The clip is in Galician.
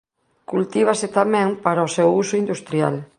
Cultívase tamén para o seu uso industrial.